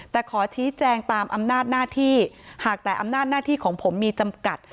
แต่ขอชี้แจงตามอำนาจหน้าที่หากแต่อำนาจหน้าที่ของผมมีจำกัด